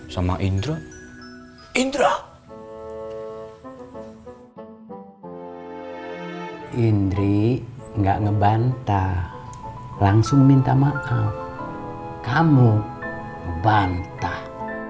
sama indro indro indri enggak ngebantah langsung minta maaf kamu bantah